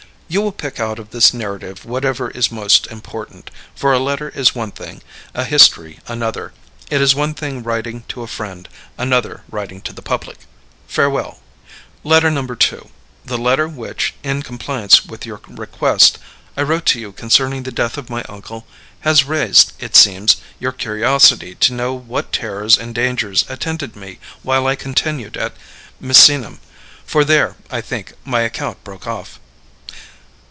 You will pick out of this narrative whatever is most important, for a letter is one thing, a history another; it is one thing writing to a friend, another writing to the public. Farewell. Letter No. 2. The letter which, in compliance with your request, I wrote to you concerning the death of my uncle has raised, it seems, your curiosity to know what terrors and dangers attended me while I continued at Misenum, for there, I think, my account broke off.